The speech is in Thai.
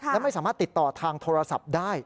และไม่สามารถติดต่อทางโทรศัพท์ได้